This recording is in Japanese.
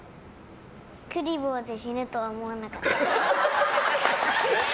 クリボーで死ぬとは思わなかった。